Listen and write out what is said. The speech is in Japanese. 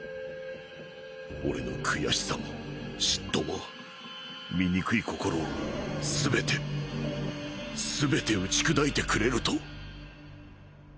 俺の悔しさも嫉妬も醜い心を全て全て打ち砕いてくれると